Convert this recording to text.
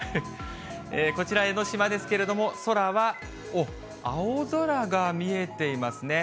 こちら、江の島ですけれども、空はおっ、青空が見えていますね。